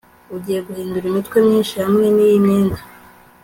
Ugiye guhindura imitwe myinshi hamwe niyi myenda